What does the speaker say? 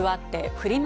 フリマ